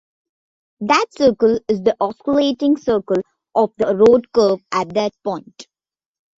That circle is the osculating circle of the road curve at that point.